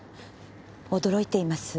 驚いています。